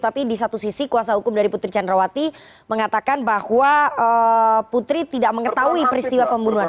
tapi di satu sisi kuasa hukum dari putri candrawati mengatakan bahwa putri tidak mengetahui peristiwa pembunuhan